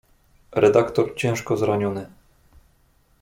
"Redaktor ciężko zraniony“."